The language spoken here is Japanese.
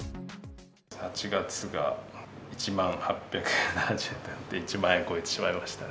８月が１万８７０円で、１万円超えてしまいましたね。